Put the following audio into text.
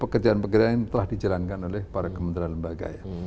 jadi pekerjaan pekerjaan ini telah dijalankan oleh para kementerian lembaga ya